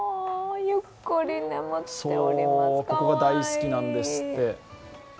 ここが大好きなんですって。